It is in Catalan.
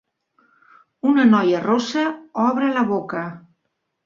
Una noia rossa obre la boca.